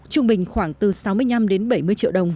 trung bình khoảng từ sáu mươi năm đến bảy mươi triệu đồng